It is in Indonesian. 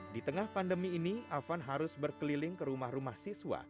di tengah pandemi ini afan harus berkeliling ke rumah rumah siswa